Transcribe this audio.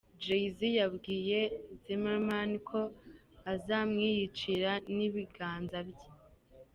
Jay-z yabwiye Zimmerman ko azamwiyicira n’ibiganza bye.